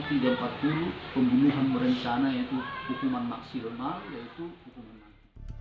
pembunuhan merencana yaitu hukuman maksimal yaitu hukuman maksimal